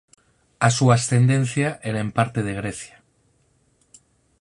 A súa ascendencia era en parte de Grecia.